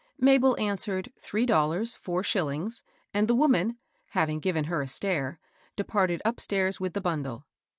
Mabel answered three dollars four shillings, and the woman, having g?ven her a stare, departed upstairs with the bundle.